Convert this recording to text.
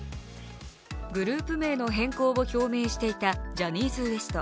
グループ名の変更を表明していたジャニーズＷＥＳＴ。